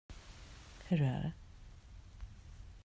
Hur är det?